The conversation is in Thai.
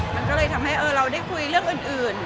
มันก็เลยทำให้เราได้คุยเรื่องอื่น